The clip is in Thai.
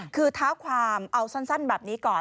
คือเท้าความเอาสั้นแบบนี้ก่อน